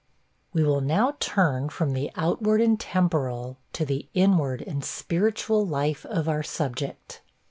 We will now turn from the outward and temporal to the inward and spiritual life of our subject.